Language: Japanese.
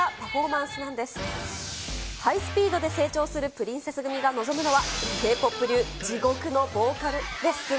ハイスピードで成長するプリンセス組が臨むのは、Ｋ−ＰＯＰ流、地獄のボーカルレッスン。